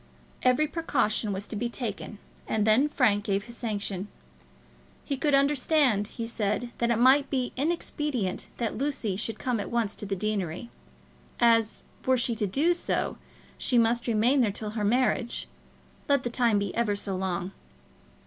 Every precaution was to be taken, and then Frank gave his sanction. He could understand, he said, that it might be inexpedient that Lucy should come at once to the deanery, as, were she to do so, she must remain there till her marriage, let the time be ever so long.